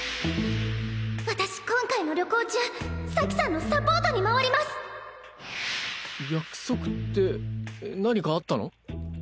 私今回の旅行中咲さんのサポートに回約束って何かあったの？